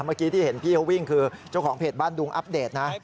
เมื่อกี้ที่เห็นพี่เขาวิ่งคือเจ้าของเพจบ้านดุงอัปเดตนะ